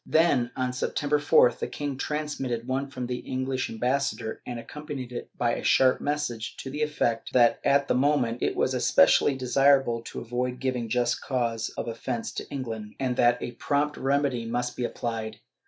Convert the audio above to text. Then, on September 4th the king transmitted one from the English ambassa dor, and accompanied it by a sharp message to the effect that at the moment it was especially desirable to avoid giving just cause of offence to England, and that a prompt remedy must be applied.